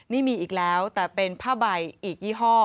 นี่มีอีกแล้วแต่เป็นผ้าใบอีกยี่ห้อ